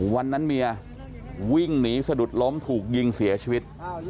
วันนั้นเมียวิ่งหนีสะดุดล้มถูกยิงเสียชีวิต